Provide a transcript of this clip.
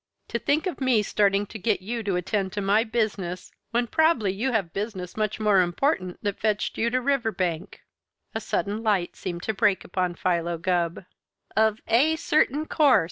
To think of me starting to get you to attend to my business when prob'ly you have business much more important that fetched you to Riverbank." A sudden light seemed to break upon Philo Gubb. "Of a certain course!"